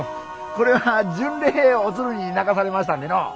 これは「巡礼お鶴」に泣かされましたんでのう。